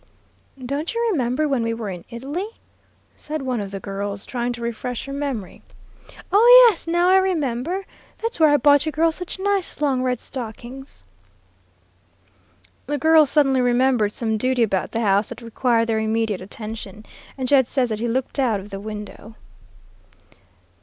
"'Don't you remember when we were in Italy,' said one of the girls, trying to refresh her memory. "'Oh, yes, now I remember; that's where I bought you girls such nice long red stockings.' "The girls suddenly remembered some duty about the house that required their immediate attention, and Jed says that he looked out of the window."